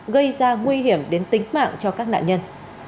gây ra nguy hiểm đến tính mạng cho các nạn nhân